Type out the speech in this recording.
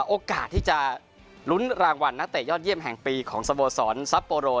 โอกาสที่จะลุ้นรางวัลนักเตะยอดเยี่ยมแห่งปีของสโมสรซับโปโร